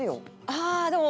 ああでも。